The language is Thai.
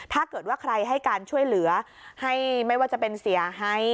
ถ้าเกิดว่าใครให้การช่วยเหลือให้ไม่ว่าจะเป็นเสียหาย